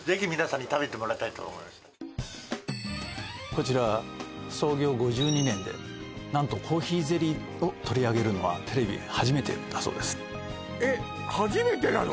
こちら創業５２年で何とコーヒーゼリーを取り上げるのはテレビ初めてだそうですえっ初めてなの？